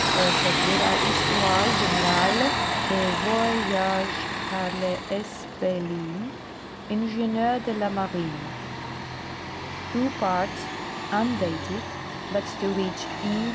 Pour servir a Histoire generale des Voyages par le S. Bellin, Ing. de la Marine," two parts, undated, but to which E.